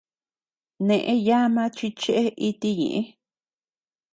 Nee yama chi chee iti ñëe.